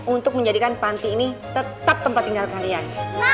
untuk menjadikan panti ini tetap tempat tinggal kalian